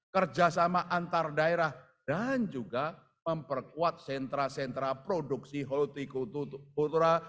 kerjasama antar daerah dan juga memperkuat sentra sentra produksi holti kultura